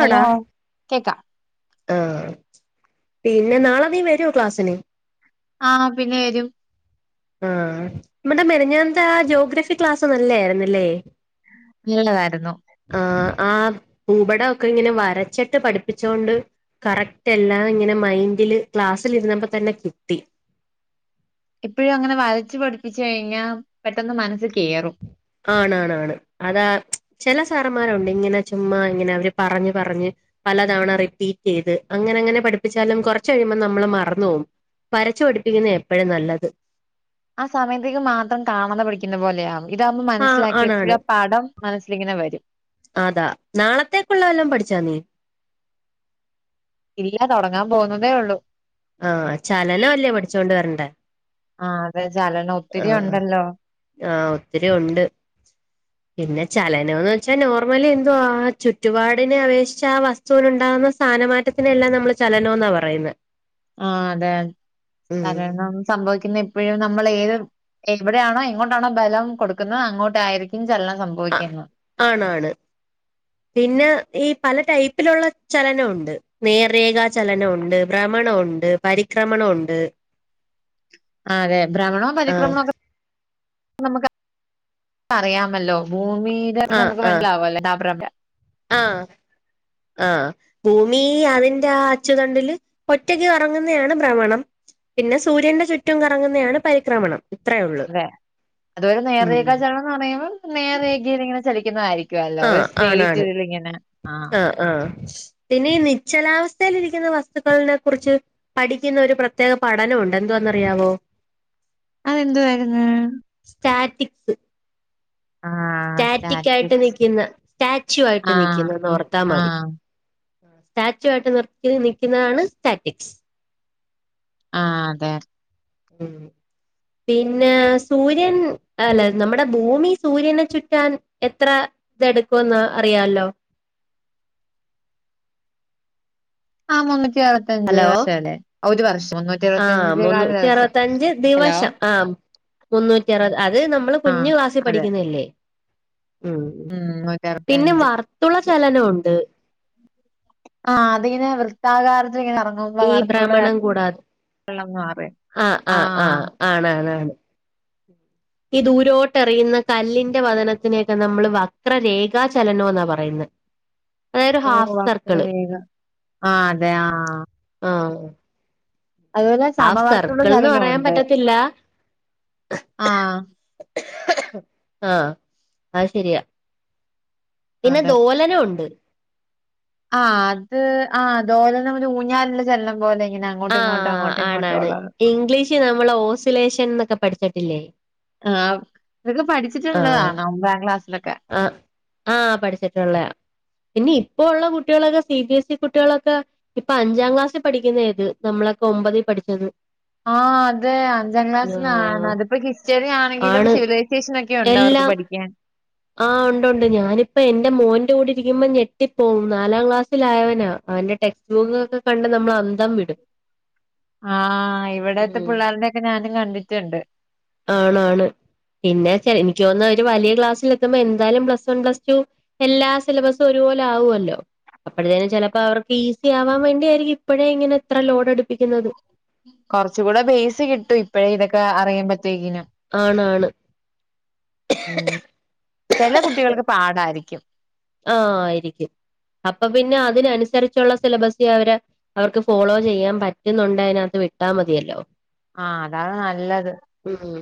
Hello കേക്കാം ആ പിന്നെ നാളെ നീ വരോ ക്ലാസ്സിന് ആഹ പിന്നെ വരും ആ മിനിഞ്ഞാനത്തെ ആ ജോഗ്രഫി ക്ലാസ് നല്ലായിരുന്നല്ലേ നല്ലതായിരുന്നു ആ ആ ഭൂപടംഒക്കെ ഇങ്ങനെ വരച്ചിട്ട് പഠിപ്പിച്ചൊണ്ട് കറക്റ്റ് എല്ലാം ഇങ്ങനെ മൈന്ഡില് ക്ലാസ്സലിരുന്നപ്പോ തന്നെ കിട്ടി എപ്പോഴും അങ്ങനെ വരച്ചു പഠിപ്പിച്ച് കഴിഞ്ഞാ പെട്ടെന്ന് മനസ്സി കേറും ആണ് ആണ് അതാ ചില സാറന്മാരുണ്ട് ഇങ്ങനെ ചുമ്മാ ഇങ്ങനെ അവര് പറഞ് പറഞ്ഞ് പലതവണ റിപ്പീറ്റ്യ്ത് അങ്ങനെ അങ്ങനെ പഠിപ്പിച്ചാലും കുറച്ച് കഴിയുമ്പോ നമ്മള് മറന്നു പോവും വരച്ചു പടിപ്പിക്കുന്നേ എപ്പോഴും നല്ലത് ആ സമയത്തേക്ക് മാത്രം കാണാത പിഠിക്കുന്ന പോലെയാണ് ഇതാകുമ്പോ ആഹ് മനസ്സിലാക്കി ആണാണ് എപ്പോഴും പാഠം മനസ്സിലിങ്ങനെ വരും അതാ നാളത്തേക്കുള്ള ല്ലാം പഠിച്ചാ നീ ഇല്ല്യ തോടങ്ങാൻ പോകുന്നതേ ഉള്ളൂ ആഹ ചലനംഅല്ലേ പഠിച്ചോണ്ട് വരണ്ടേ ആഹ് അതെ ചലന ആഹ ആഹ ഒത്തിരി ഉണ്ട് പിന്നെ ചലനംന്ന് വെച്ചാ നോർമലി എന്തോആവാ ചുറ്റുപാടിനെ അപേക്ഷിച്ച ആ വസ്തു ണ്ടാകുന്ന സ്ഥാനമാറ്റത്തിനെല്ലാം നമ്മള് ചലനം എന്നാ പറയുന്നേ ആ അതെ കാരണം സംഭവിക്കുന്ന ഇപ്പോഴും നമ്മൾ ഏത് എവിടെയാണോ എങ്ങോട്ടാണോ ബലം കൊടുക്കുന്നത് അങ്ങോട്ടായിയിരിക്കും ചലനം സംഭവ ഓക്കേ എന്നാ [unintelligible] ആണാണ് പിന്നെ ഈ പല ടൈപ്പിലുള്ള ചലനവുണ്ട് നേർരേഖാ ചലനവുണ്ട് ഭ്രമണവുണ്ട് പരിക്രമണവുണ്ട് അഹ് അതെ ബ്രഹ്മണോ ആഹ് പരിക്രമണോ ഒക്കെ നമുക്ക് അറിയാമല്ലോ ഭൂമിടെ നമുക്ക് വല്ലോാ [unintelligible] ആഹ്‌ ആഹ്‌ ഭൂമി അതിന്റെ ആ അച്ചുതണ്ടില് ഒറ്റക്ക് കറങ്ങുന്നയാണ് ഭ്രമണം പിന്നെ സൂര്യന്റെ ചുറ്റും കറങ്ങുന്നയാണ് പരിക്രമണം ഇത്രേ ഉള്ളൂ അതെ അതൊരു ഉം നേർരേഖചലനം പറയുമ്പോ നേരേഖയിൽ ഇങ്ങനെ ചലിക്കുന്നതായിരിക്കുവല്ലോ ഒരു സ്റ്റേജ്ല്ങ്ങനെ ആ ആഹ്‌ പിന്നെ ഈ നിശ്ചലാവസ്ഥയി ലി രിക്കുന്ന വസ്തുക്കളിനെ കുറിച്ച് പഠിക്കുന്ന ഒരു പ്രത്യേക പഠനമുണ്ട് എന്തുവാന്നറിയാവോ അതെന്തുവായിയിരുന്നു സ്റ്റാറ്റിക്സ് ആഹ് സ്റ്റാറ്റിക് ആയിട്ട് സ്റ്റാറ്റിക്സ് നിക്കുന്ന സ്റ്റാച്യു ആയിട്ട് ആഹ് നിക്കുന്നതോർത്താ മതി ആഹ് സ്റ്റാച്യു ആയിട്ട് നിർത്തി നിക്കുന്നതാണ് സ്റ്റാറ്റിക്സ് ആഹ് അതെ ഉം പിന്നെ, സൂര്യൻ അല്ല നമ്മുടെ ഭൂമി സൂര്യനെ ചുറ്റാൻ എത്ര തെടുക്കുവെന്ന് അറിയാലോ ആ മുന്നൂറ്റി അറു ത്തഞ്ച് ഹലോ വർഷല്ലേ ഒരു വർഷം മുന്നൂറ്റി ആഹ് ഇരുപത്തയഞ്ച് കാല മുന്നൂറ്റി ദിവസം അറുപത്തഞ്ച് ഹലോ ദിവസം ആഹ് മുന്നൂറ്റി അറുപത് അത് നമ്മള് ആഹ് കുഞ്ഞു അതെ ക്ലാസ്സിപഠിക്കുന്നല്ലേ ഉം നൂറ്റി പിന്നെ അറുപത്തഞ്ച് വർത്തുള ചലനവുണ്ട് ആഹ് അതിങ്ങനെ വൃത്താകാരത്തിൽ ഇങ്ങന കറ ഈ ബ്രമണം കൂടാതെ, കാരണംന്ന് പറയും ആഹ്‌ ആഹ് ആഹ് ആണാണാണ് ഈ ദൂരോട്ടെറിയുന്ന കല്ലിന്റെ വതനത്തിനെയൊക്കെ നമ്മള് വക്രരേഖാചലനം ന്നാ പറയുന്നത് ഓ അത്ര വേഗ ആഹ് അതെ ആ ആഹ് ഹാഫ് സമവർത്തുള്ള സർക്കിൾന്ന് പറയാൻ ചലനമുണ്ട് പറ്റത്തില്ല ആഹ് ആഹ് അത് ശരിയാ പിന്നെ അതെ ദോലനവുണ്ട് ആഹ് അത് ആഹ് ദോലനം ഒരു ഊഞ്ഞാലിന്റെ ചലനം പോലെങ്ങനെ ആഹ്‌ ആണാണ് ഇംഗ്ലീഷ് നമ്മള് ഓസിലേഷൻന്നൊക്കെ പഠിച്ചിട്ടില്ലേ ആഹ് ഇതൊക്കെ പഠിച്ചിട്ടുള്ളതാണൊമ്പാം ക്ലാസ്സിലൊക്കെ അഹ് ആഹ് പഠിച്ചിട്ടുള്ളയാ പിന്നിപ്പോള്ള കുട്ടികളൊക്കെ സി ബി എസ് ഇ കുട്ടികളൊക്കെ ഇപ്പൊ അഞ്ചാം ക്ലാസ്സിൽ പഠിക്കുന്നേത് നമ്മളൊക്കെ ഒമ്പതി പഠിച്ചത് ആഹ്‌ അതേ അഞ്ചാം ക്ലാസ്സിലാണ് ആഹ് അതിപ്പോ ഹിസ്റ്ററി ആണെങ്കിലും ആണ് സിവിലൈസേഷനൊക്കെ ഉണ്ടവർക്ക് എല്ലാം പഠിക്കാൻ ആഹ് ഉണ്ടുണ്ട് ഞാനിപ്പ എന്റെ മോന്റെ കൂടി ഇരിക്കുമ്പോ ഞെട്ടിപ്പോവും നാലാം ക്ലാസ്സിലായവനാ അവന്റെ ടെക് സൂഖൊക്കെ കണ്ട് നമ്മളന്തം വിടും ആഹ് ഇവിടത്തെ ഉം പിള്ളേരുടെ ഒക്കെ ഞാനും കണ്ടിട്ട്ണ്ട് ആണാണ്. പിന്നെക്കെ എനിക്ക് തോനുന്നു അവര് വലിയ ക്ലാസ്സിൽ എത്തുമ്പോ എന്തായാലും പ്ലസ് വൺ പ്ലസ് ടു എല്ലാ സിലബസും ഒരുപോലാവുവല്ലോ അപ്പോഴത്തേനും ചെലപ്പവർക്ക് ഈസി ആവാൻ വേണ്ടിആയിരിക്കും ഇപ്പഴേ ഇങ്ങനെ ഇത്ര ലോഡെടുപ്പിക്കുന്നത് കൊറച്ച് കൂടെ ബേസ് കിട്ടും ഇപ്പഴേ ഇതൊക്കെ അഅറിയുമ്പോഴ്‌ത്തേക്കിനും ആണാണ് ഉം ചെല കുട്ടികൾക്ക് പാടായിരിക്കും ആഹ് ആയിരിക്കും അപ്പൊ പിന്നെ അതിനനുസരിച്ചുള്ള സിലബസേ അവര് അവർക്ക് ഫോളോ ചെയ്യാൻ പറ്റുന്നുണ്ട് അതിനകത്ത് വിട്ടാൽ മതിയല്ലോ ആഹ് അതാണ് നല്ലത് ഉം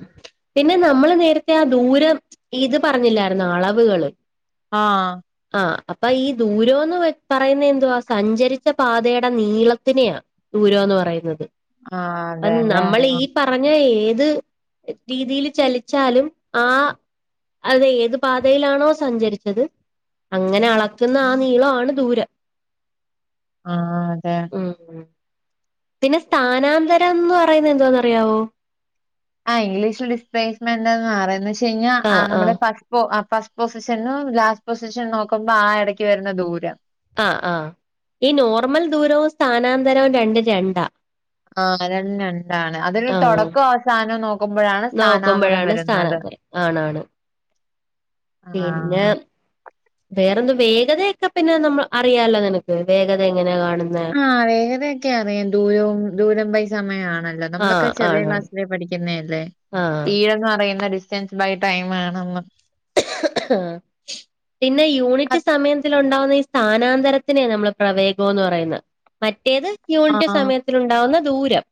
പിന്നെ നമ്മള് നേരത്തെ ആഹ് ദൂരം ഇത് പറഞ്ഞില്ലായിരുന്നു അളവ് ളവ്കൾ ആഹ് ആഹ് അപ്പൊ ഈ ദൂരംന്ന് പറയുന്നതെന്തുവാ സഞ്ചരിച്ച പാതയുടെ നീളത്തിനെയാ ദൂരന്ന് പറയുന്നത് ആഹ് അത് അതെല്ലേ നമ്മൾ ആഹ് ഈ പറഞ്ഞ ഏത് രീതിയിൽ ചലിച്ചാലും ആഹ് അത് എത് പാത തയിലാണോ സഞ്ചരിച്ചത് അങ്ങനെ അളക്കുന്ന ആഹ് നീളാണ് ദൂരം ആഹ് അതെ ഉം ഉം പിന്നെ സ്ഥാനാന്തരന്ന് പറയുന്ന എന്താന്ന്റിയാവോ ആഹ് ഇംഗ്ലീഷ് ഡിസ്പ്ലേസ്മെന്റ് എന്ന് പറയന്ന് വെച്ച് കഴിഞ്ഞാൽ ആഹ് ആഹ് നമ്മളെ ഫസ്റ്റ് ഫസ്റ്റ് പൊസിഷനും ലാസ്റ്റ് പൊസിഷൻ നോക്കുമ്പോ ആഹ് ഇടയ്ക്ക് വരുന്ന ദൂരം ആഹ് ആഹ് ഈ നോർമൽ ദൂരവും സ്ഥാനാന്തരവും രണ്ടും രണ്ടാ ആഹ് രണ്ടും രണ്ടാണ് അതൊരു ആഹ് തുടക്കവും അവസാനവും നോക്കുമ്പോഴാണ് സ്ഥാനാന്തരം വരുന്നത് ആണ് ആണ് ആഹ് പിന്നെ വേറെ എന്തു വേഗതയൊക്കെ പിന്നെ നമ്മൾ അറിയാലോ നിനക്ക് വേഗത എങ്ങനെയാ കാണുന്നേ ആഹ് വേഗതയൊക്കെ അറിയാം ദൂരവും ദൂരം ബൈ സമയവാണല്ലോ നമ്മളൊക്കെ ആഹ് ചെറിയ ആണാണ് ക്ലാസ്സ് ലെ പഠിക്കുന്നല്ലേ ആഹ് സ്പീഡ് എന്ന് പറയുന്നേ ഡിസ്റ്റൻസ് ബൈ ടൈം ആണെന്ന് ആഹ് പിന്നെ യൂണിറ്റ് സമയത്തിലുണ്ടാവുന്ന ഈ സ്ഥാനാന്തരത്തിനെയാ നമ്മള് പ്രവേഗം എന്ന് പറയുന്നേ മറ്റേത് യൂണിറ്റ് ആഹ് സമയത്തിലുണ്ടാവുന്ന ദൂരം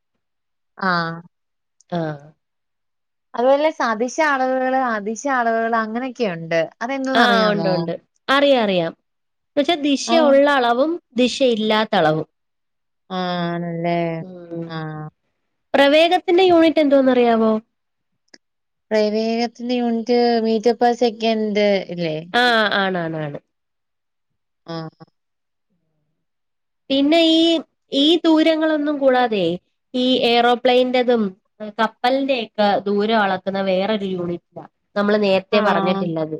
ആഹ് ആഹ് അതുപോലെ സദിശ അളവുകള് അതിശ അളവുകള് അങ്ങനെയൊക്കെ ഉണ്ട് അതെന്തന്ന് ആഹ് ഉണ്ട് അറിയാമോ ഉണ്ട് അറിയാം അറിയാം [unintelligible] ദിശ ആഹ് ഉള്ള അളവും ദിശയില്ലാത്ത അളവും ആണല്ലേ ഉം ആഹ് പ്രവേഗത്തിന്റെ യൂണിറ്റ് എന്തുവാന്ന് അറിയാവോ പ്രവേഗത്തിന്റെ യൂണിറ്റ് മീറ്റർ പെർ സെക്കൻഡ് ഇല്ലേ ആഹ് ആണ് ആണ് ആണ് ആഹ് പിന്നെ ഈ ഈ ദൂരങ്ങളൊന്നും കൂടാതെയെ ഈ എയ്റോപ്ലെയ്ൻൻ്റെതും കപ്പലിന്റെക്കെ ദൂരം അളക്കുന്ന വേറൊരു യൂണിറ്റ നമ്മള് നേരത്തെ ആഹ് പറഞ്ഞിട്ടല്ലത്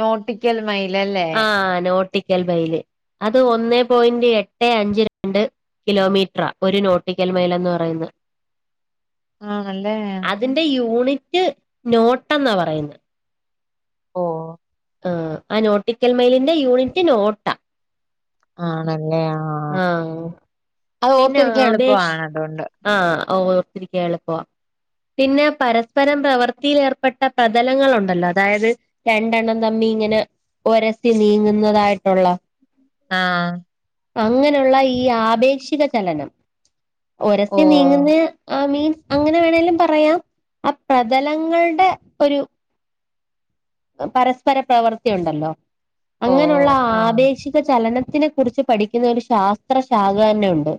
നോട്ടിക്കൽ മൈലല്ലേ ആഹ് നോട്ട [unintelligible] അത് ഒന്നേ പോയിന്റ് [unintelligible] എട്ടേ അഞ്ച് രണ്ട് കിലോമീറ്ററ ഒരു നോട്ടിക്കൽ മൈലെന്ന് പറയുന്നെ ആണല്ലേ അതിന്റെ യൂണിറ്റ് നോട്ട് എന്നാ പറയുന്നെ ഓഹ് ആഹ് ആഹ് നോട്ടിക്കൽ മൈലിന്റെ യൂണിറ്റ് നോട്ട ആണല്ലേ ആഹ് അത് പിന്നെ ഓർത്തിരിക്കാൻ ആപേക്ഷ എളുപ്പവാണ് അതുകൊണ്ട് ആഹ് ഓഹ് ഓർത്തിരിക്കാൻ എളുപ്പവാ പിന്നെ പരസ്പരം പ്രവൃത്തിയിൽ ഏർപ്പെട്ട പ്രതലങ്ങൾ ഉണ്ടല്ലോ അതായത് രണ്ടെണ്ണം തമ്മി ഇങ്ങനെ ഒരസി നീങ്ങുന്നതായിട്ടുള്ള ആഹ് അങ്ങനെ ഉള്ള ഈ ആപേക്ഷിക ചലനം ഒരസി ഓഹ് നീങ്ങുന്നേ ആഹ് മീൻസ് അങ്ങനെ വേണേങ്കിലും പറയാം ആ പ്രതലങ്ങൾടെ ഒരു പരസ്പര പ്രവൃത്തി ഉണ്ടല്ലോ ഓഹ് അങ്ങനെയുള്ള ആഹ് ആപേക്ഷി ക ചലനത്തിനെ കുറിച്ച് പഠിക്കുന്ന ഒരു ശാസ്ത്ര ശാഖ തന്നെയുണ്ട്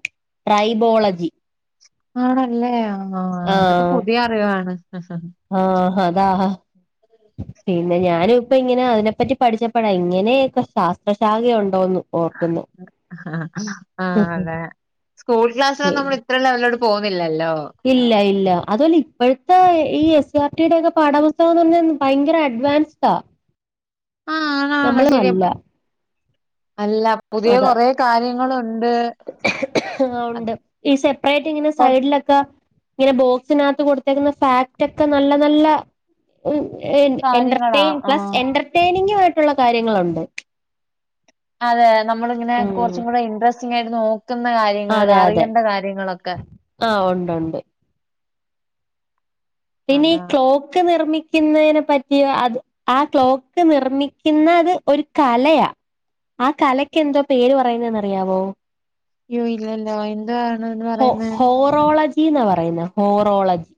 ട്രൈബോളജി ആണല്ലേ ആഹ് അതൊക്കെ ആഹ് പുതിയ അറിവാണ് ആഹ് അതാ പിന്നെ ഞാനും ഇപ്പം ഇങ്ങനെ അതിനെപ്പറ്റി പഠിച്ച പ്പഴാ ഇങ്ങനെയൊക്കെ ശാസ്ത്രശാഖ ഉണ്ടോന്ന് ഓർക്കുന്നെ ആഹ് അതെ സ്കൂൾ ക്ലാസ്സിലൊന്നും നമ്മൾ ഇത്ര ലെവലിലോട്ട് പോകുന്നില്ലല്ലോ ഇല്ല ഇല്ല അതുവല്ല ഇപ്പഴത്തെ ഈ എസ്. C R. ടിയുടെ ഒക്കെ പാഠപുസ്തകൊന്ന് പറഞ്ഞാ ഭയെങ്കര അഡ്വാൻസ്ഡാ ആഹ് ആഹ് ആഹ് ശെരി അപ് അല്ല അല്ല പുതിയ കൊറേ കാര്യങ്ങളുണ്ട് [unintelligible] ആ ഉണ്ട് ഈ സെപ്പറേറ്റ് ഇങ്ങനെ അത്ര സൈഡിലൊക്കെ ഇങ്ങനെ ബോക്സിനാത്ത് കൊടുത്തേക്കുന്ന ഫാക്റ്റ് ഒക്കെ നല്ലെ നല്ലെ ഹ് എ എൻ കാര്യങ്ങളാ എൻ്റർടെയ്ൻ ആഹ് പ്ലസ് എൻ്റർടെയിനിംഗുവായിട്ടുള്ള കാര്യങ്ങളുണ്ട് അതെ നമ്മളിങ്ങനെ കുറച്ചും കൂടെ ഇൻട്രസ്റ്റിംഗായിട്ട് നോക്ക് ക്കുന്ന കാര്യങ്ങള് അതെ അതെ അറിയെണ്ട കാര്യങ്ങളൊക്കെ ആ ഉണ്ട് ഉണ്ട് ഇനി ഈ അതാ ക്ലോക്ക് നിർമ്മി ക്കുന്നേനെ പറ്റി അത് ആ ക്ലോക്ക് നിർമ്മിക്ക്ന്നത് ഒര് കലയാ. ആ കലക്ക് എന്തോ പേര് പറയുന്നന്ന് അറിയാവോ? യ്യോ ഇല്ലല്ലോ എന്താണ്ന്ന് പറയുന്നേ? ഓറോളജ് ജിന്ന പറയുന്നേ ഹോറോളജി.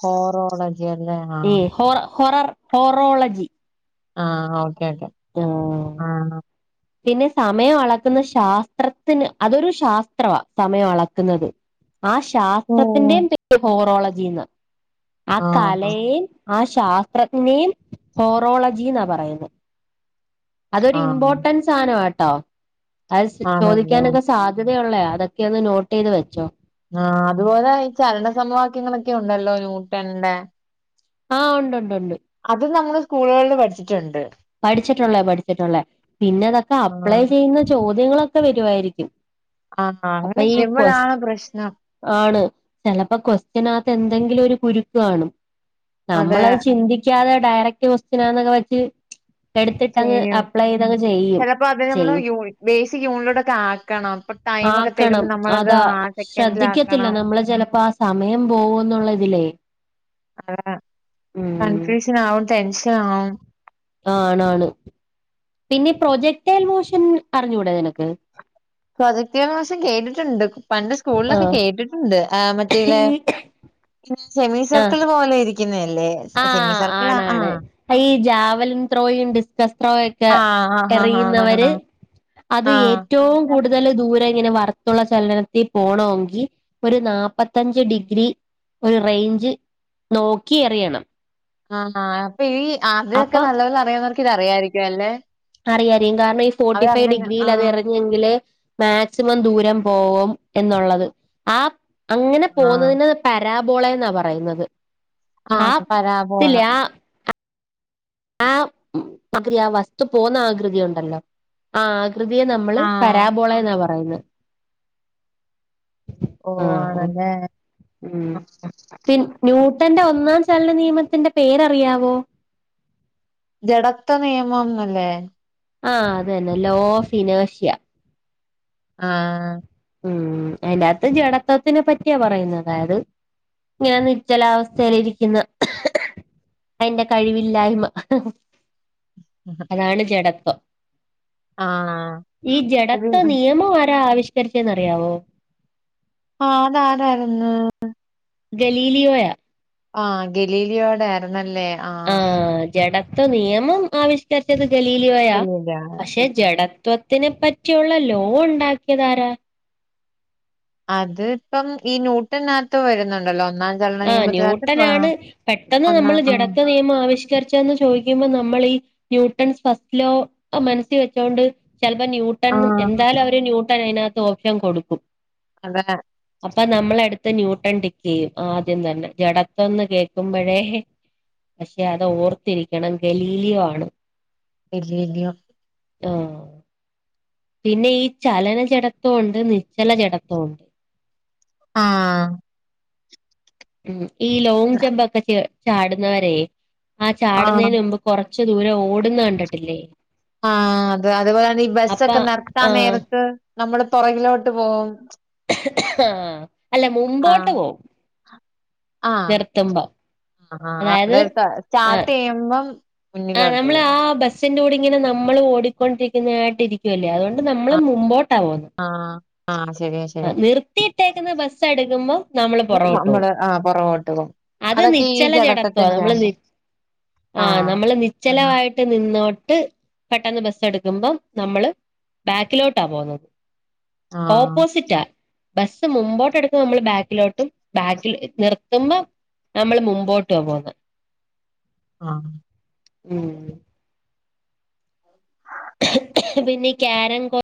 ഹോറോളൻ ജ് പർഞ്ഞാ ഏഹ് ഹോറർ ഹൊനൊറർ ഹോറോളജി. ആഹ് ഓക്കെ ഓക്കെ ആഹ് ആഹ് പിന്നെ സമയം അളക്ക്ന്ന ശാസ്ത്രത്തിന് അതൊരു ശാസ്ത്രവാ സമയം അളക്ക്ന്നത്. ആ ഓഹ് ശാസ്ത്രത്തിന്റേം പേ [inaudible] ഹോറോളജീന്നാ ആ ആഹ് കലയേം. ആ ശാസ്ത്രജ്ഞനേയും ഹോറോളജീന്നാ പറയുന്നേ. അതൊരു ആഹ് ഇമ്പോട്ടൻ സാനവാ ട്ടോ അത് ആണല്ലേ ചോദിക്കാനൊക്കെ സാധ് ധ്യതയൊള്ളയാ അതൊക്കെ ഒന്ന് നോട്ട് എയ്ത് വെച്ചോ ആ അതുപോലെ ഈ ചലനസമവാക്യങ്ങളൊക്കെ ഉണ്ടല്ലോ ന്യൂട്ടന്റെ. ആഹ് ഉണ്ടൊണ്ടൊണ്ട്. അത് നമ്മള് സ്കൂൾകള് പഠ്ച്ചിട്ട്ണ്ട്. പഠിച്ചിട്ടുള്ളെ പഠിച്ചിട്ടുള്ളെ. പിന്നെതക്കാ അപ്ലൈ ആഹ് ചെയ്യുന്ന ചോദ്യങ്ങളൊക്കെ വരുവായിരിക്കും. ആഹ് അങ്ങനെ അപ്പൊ ഈ കൊസ് ചെയ്യുമ്പഴാണ് പ്രശ്നം. ആണ് ചെലപ്പം കൊസ്റ്റ്നാത്ത് എന്തെങ്കിലും ഒരു കുരുക്ക് കാണും അതെ നമ്മളത് ചിന്തിക്കാതെ ഡയറക്ട് കൊസ്റ്റ്നാന്നൊക്കെ വെച്ച് എടുത്തിട്ടങ്ങ് ചെയ്യും. അപ്ലൈ ചെയ്തങ്ങ് ചെയ്യും, ചെലപ്പോ അത് നമ്മള് ചെയ്യും. യൂ ബേസിക് യൂണിറ്റിലൂടൊക്കെ ആക്കണം. അപ്പൊ ടൈം ഒക്കെ ആക്കണം തരുമ്പോ നമ്മളത് അതാ ആ ശ്രദ്ധിക്കത്തില്ല സെക്കൻഡിലാക്കണം. നമ്മള് ചെലപ്പാ സ് സമയം പോവോന്നുള്ളതിലേ അതാ കൺഫ്യൂഷനാവും ടെൻഷനാവും ആ ആണാണ് പിന്നെ പ്രൊജെക്ടേൽ മോഷൻ അറിഞ്ഞൂടെ നിനക്ക്? Projectile motion. കേട്ടിട്ടുണ്ട് പണ്ട് സ്കൂളിലൊക്കെ ആഹ് കേട്ടിട്ടുണ്ട്. ആ മ [inaudible] സെമി ആഹ് സെർക്ക്ൾ പോലെ ഇരിക്കിന്നേയല്ലേ? സെമി സർക്ക്ൾ ആഹ്. അഈ ജാവൽ ത്രോയും ഡിസ്കസ് ത്രോയെക് ക്കെ ആഹ് ആഹ് ആഹ് ആഹ് എറിയ്ന്നവര് അത് ആഹ് ഏറ്റവും കൂടുതല് ദൂരെ ഇങ്ങനെ വറ്ത്തുള്ള ചലനത്തിൽ പോണോങ്കി ഒരു നാപ്പത്തഞ്ച് ഡിഗ്രി ഒരു റേഞ്ച് നോക്കി എറിയണം. ആഹ് അപ്പൊ ഈ ആദ്യൊക്കെ അപ്പൊ നല്ലപോലെ അറിയുന്നവർക്ക് ഇത് അറിയായിരിക്കുവല്ലെ? അറിയാറിയും കാരണം ഈ ഫോർട്ടി ഫൈവ് ഡിഗ്രിയിൽ അത് ആഹ് എറങ്ങി ഞ്ഞെങ്കിലെ മാക്സിമം ദൂരം പോവോം എന്നുള്ളത് ആ അങ്ങനെ ആഹ് പോവുന്നതിന് പരാബോള എന്നാ പറയുന്നത്. ആ ആഹ് ത്തിലെ പരാബോളാ ആ [unintelligible] ആ വസ്തു പോന്ന ആകൃതിയൊണ്ടല്ലോ? ആ ആകൃതിയെ നമ്മള് ആഹ് പരാബോള എന്നാ പറയുന്നേ. ഓ ആഹ് ആഹ് ആണല്ലേ ഉം പിൻ ന്യൂട്ടന്റെ ഒന്നാം ചലന നിയമത്തിന്റെ പേരറിയാവോ? ജടത്വ നിയമം ന്നല്ലേ? ആഹ് അത് തന്നെ ലോ ഓഫ് ഫിനാഷ്യ. ആഹ് ഉം അയ്ന്റാത്ത് ജഡത്വത്തിനെ പറ്റിയാ പറയുന്നത് അതായത് ഇങ്ങനെ നിശ്ചലാവസ്ഥയിൽ ഇരിക്കുന്ന അയിന്റെ കഴിവില്ലായ്മ അതാണ് ജഡത്വം ആഹ് ഈ അത് ജഡത്വ നിയമം ആരാ ആവിഷ് ക്കരിച്ചേന്നറിയാവോ? ആഹ് അത് ആരാരുന്ന്? ഗലീലിയോയാ ആഹ് ഗലീലിയോടതാരുന്നല്ലേ ആഹ് ജഢത്വ നിയമം ആവിഷ്ക്കരിച്ചത് ഗലീലിയോയാ ഗലീലിയോടെ പക്ഷെ ജഡത്വത്തിനെ പറ്റിയുള്ള ലോ ഉണ്ടാക്കിയതാരാ? അത് ഇപ്പം ഈ ന്യൂട്ടനാത്ത് വരുന്നുണ്ടല്ലോ ഒന്നാം ചലന ആഹ് നിയമത്തിനകത്ത് ആഹ് ന്യൂട്ടനാണ് പെട്ടെന്ന് നമ്മൾ ഒന്നാം ആഹ് ജഡത്വ നിയമം മം ആവിഷ്കരിച്ചേന്ന് ചോദിക്കുമ്പോ നമ്മളീ ന്യൂട്ടൺസ് ഫസ്റ്റ് ലോ മനസ്സിൽ വെച്ചോണ്ട് ചിലപ്പോ ന്യൂ ന്യൂട്ടൺ ആഹ് എന്തായാലും അവര് ന്യൂട്ടൺ അതിനാത്ത് ഓപ്ഷൻ കൊടുക്കും അതെ അപ്പൊ നമ്മളടുത്തെ ന്യൂട്ടൺ ടിക്കെയ്യും ആദ്യം തന്നെ ജഡത്വന്ന് കേക്കുമ്പഴേ പക്ഷെ അത് ഓർത്തിരിക്കണം ഗലീലിയോ ആണ് ഗലീലിയോ ആഹ് പിന്നെ ഈ ചലന ജഡത്വോ ഒണ്ട് നിശ്ചല ജഡത്വം ഒണ്ട് ആഹ് ഉം ഈ ലോങ്ങ് ജംമ്പൊക്കെ ച് ചാടുന്നവരെ ആ ആഹ് ചാടുന്നേന് മുമ്പ് കൊറച്ച് ദൂരം ഓടുന്ന കണ്ടിട്ടില്ലേ? ആഹ് അത് അതുപോലെ തന്നെ ഈ അപ്പ ബസ്സൊക്കെ നിർത്താൻ ആഹ് നേരത്ത് നമ്മള് പൊറകിലോട്ട് പോകും ആഹ് അല്ല മുമ്പോട്ട് ആഹ് പോവും ആഹ് നിർത്തുമ്പോ ആഹ് അതായത് അത് സ്റ്റാർട്ട് ആഹ് ചെയ്യുമ്പം ആഹ് മുന്നിലോട്ട് നമ്മള് പോവും ആ ബസ്സിന്റെ കൂടിങ്ങനെ നമ്മൾ ഓടിക്കൊണ്ടിരിക്കുന്നതായിട്ട് ഇരിക്കുവല്ലേ അതുകൊണ്ട് നമ്മളും മുമ്പോട്ടാ പോന്നേ ആഹ് ആഹ് ശരിയാ ശരിയാ നിർത്തിയിട്ടേക്കുന്ന ബസ്സ് എടുക്കുമ്പോ നമ്മള് പൊറകോട്ട് പോവും നമ്മള് ആഹ് പൊറകോട്ട് പോവും അത് നിശ്ചല ജഡത്വാ നമ്മള് നി ആഹ് നമ്മള് നിശ്ചലവായിട്ട് ട്ട് നിന്നോട്ട് പെട്ടെന്ന് ബസ്സ് എടുക്കുമ്പം നമ്മള് ബാക്കിലോട്ടാ പോന്നത് ആഹ് ഓപ്പോസിറ്റാ ബസ്സ് മുമ്പോട്ട് എടുക്കുമ്പോ നമ്മള് ബാക്കിലോട്ടും ബാക്കിൽ നിർത്തുമ്പോ നമ്മള് മുമ്പോട്ടുവാ പോന്നെ ആഹ് അത് ഉം പിന്നി ക്യരങ്കോ